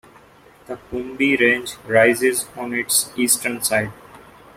The Kumbi Range rises on its eastern side.